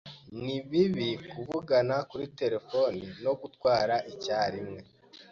Ni bibi kuvugana kuri terefone no gutwara icyarimwe.